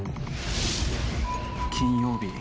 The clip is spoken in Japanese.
「金曜日。